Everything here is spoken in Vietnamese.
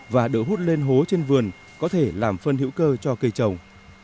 và đỡ hút lên hố trên vườn có thể làm phân hữu cơ cho cây trồng